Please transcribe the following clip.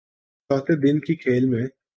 چوتھے دن کے کھیل میں